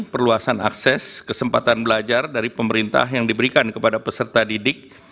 perluasan akses kesempatan belajar dari pemerintah yang diberikan kepada peserta didik